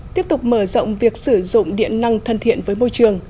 tiếp tục mở rộng việc sử dụng điện năng thân thiện với môi trường